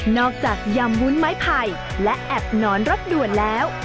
จากยำวุ้นไม้ไผ่และแอบนอนรถด่วนแล้ว